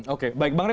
oke baik banget